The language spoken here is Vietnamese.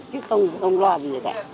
chứ không lo gì cả